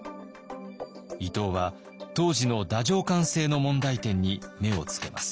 伊藤は当時の太政官制の問題点に目をつけます。